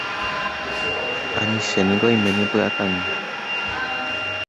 Anichénengo oime ndepy'akangy.